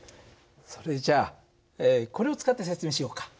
それじゃあこれを使って説明しようか。